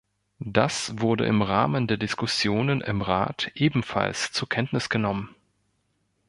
Das wurde im Rahmen der Diskussionen im Rat ebenfalls zur Kenntnis genommen.